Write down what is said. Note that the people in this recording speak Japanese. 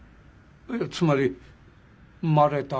つまり生まれた場所。